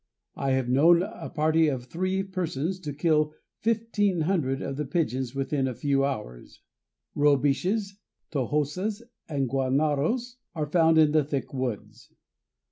I have known a party of three persons to kill 1,500 of the pigeons within a few hours. Robiches, tojosas, and guanaros are found in the thick woods.